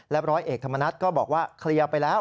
ร้อยเอกธรรมนัฐก็บอกว่าเคลียร์ไปแล้ว